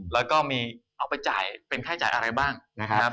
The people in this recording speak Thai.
แล้วก็มีเอาไปจ่ายเป็นค่าจ่ายอะไรบ้างนะครับ